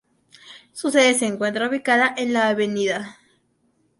Su sede se encuentra ubicada en la Av.